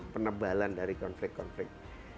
penebalan dari konflik konflik